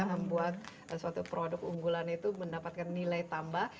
membuat suatu produk unggulan itu mendapatkan nilai tambah